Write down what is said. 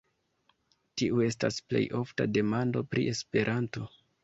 Tiu estas plej ofta demando pri Esperanto.